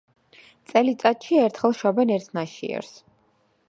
წელიწადში ერთხელ შობენ ერთ ნაშიერს.